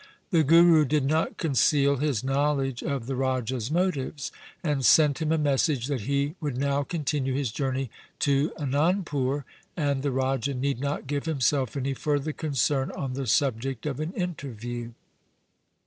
The Guru did not conceal his knowledge of the Raja's motives, and sent him a message that he would now continue his journey to Anandpur, and the Raja need not give himself any further concern on the subject of an interview.